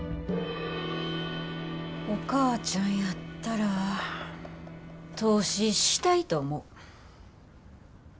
お母ちゃんやったら投資したいと思う。